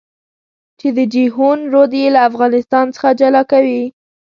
چې د جېحون رود يې له افغانستان څخه جلا کوي.